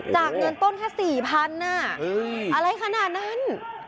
จากเงินต้นแค่สี่พันอ่ะเฮ้ยอะไรขนาดนั้น